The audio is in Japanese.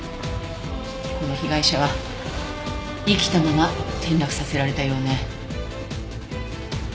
この被害者は生きたまま転落させられたようね。